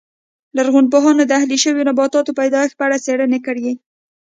لرغونپوهانو د اهلي شویو نباتاتو پیدایښت په اړه څېړنې کړې